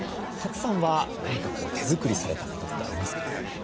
賀来さんは何か手作りされたことってありますか？